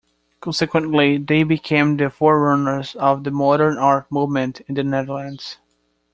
Consequently, they became the forerunners of the Modern art movement in the Netherlands.